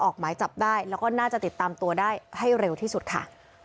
ออกหมายจับได้แล้วก็น่าจะติดตามตัวได้ให้เร็วที่สุดค่ะ